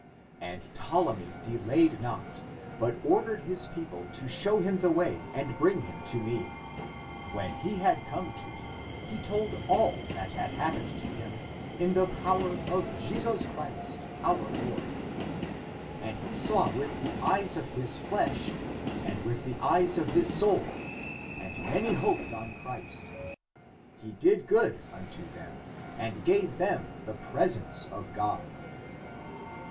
And Ptolemy delayed not, but ordered his people (p. 138) to show him the way and bring him to me. When he had come to me, he told all that had happened to him in the power of Jesus Christ, our Lord. And he saw with the eyes of his flesh and with the eyes of his soul, and many hoped on Christ; he did good unto them and gave them the presence of God.